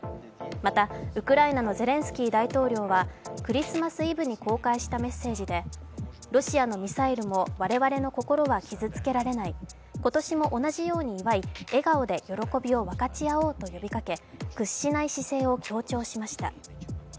また、ウクライナのゼレンスキー大統領はクリスマスイブに公開したメッセージでロシアのミサイルも我々の心は傷つけられない、今年も同じように祝い、笑顔で喜びを分かち合おうと呼びかけ屈しない姿勢を強調しました。